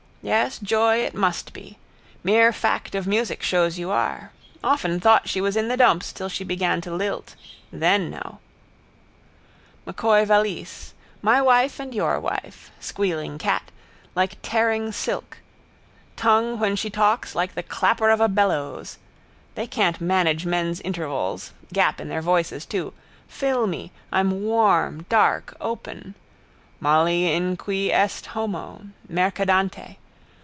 Yes, joy it must be. Mere fact of music shows you are. Often thought she was in the dumps till she began to lilt. Then know. M'Coy valise. My wife and your wife. Squealing cat. Like tearing silk. Tongue when she talks like the clapper of a bellows. They can't manage men's intervals. Gap in their voices too. Fill me. I'm warm, dark, open. Molly in quis est homo: Mercadante.